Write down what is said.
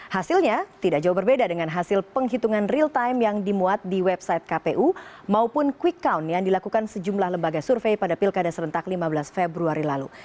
hasilnya tidak jauh berbeda dengan hasil penghitungan real time yang dimuat di website kpu maupun quick count yang dilakukan sejumlah lembaga survei pada pilkada serentak lima belas februari lalu